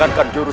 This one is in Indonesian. makan aku hadapi